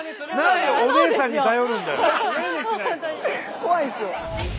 怖いんですよ。